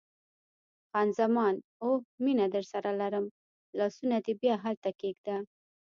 خان زمان: اوه، مینه درسره لرم، لاسونه دې بیا هلته کښېږده.